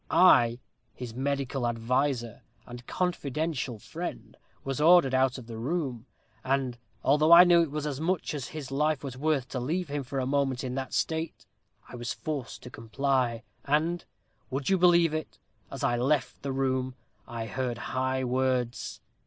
"I, his medical adviser and confidential friend, was ordered out of the room; and, although I knew it was as much as his life was worth to leave him for a moment in that state, I was forced to comply: and, would you believe it, as I left the room, I heard high words.